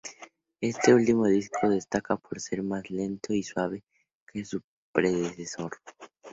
Este último disco destaca por ser más lento y suave que su predecesor.